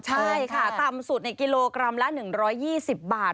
ใช่ค่ะต่ำสุดในกิโลกรัมละ๑๒๐บาท